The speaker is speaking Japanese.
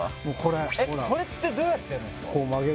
えっこれってどうやってやるんすか？